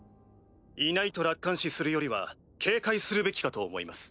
いないと楽観視するよりは警戒するべきかと思います。